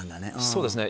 そうですね